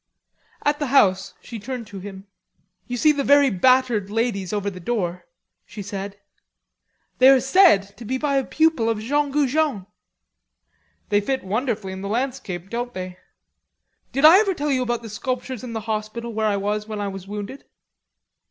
At the house she turned to him; "You see the very battered ladies over the door," she said. "They are said to be by a pupil of Jean Goujon." "They fit wonderfully in the landscape, don't they? Did I ever tell you about the sculptures in the hospital where I was when I was wounded?"